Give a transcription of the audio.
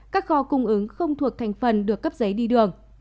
các kho cung ứng không thuộc thành phần được cấp giấy đi đường